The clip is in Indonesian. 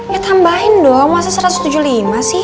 ya tambahin dong masa satu ratus tujuh puluh lima sih